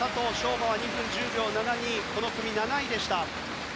馬は２分１０秒７２でこの組７位でした。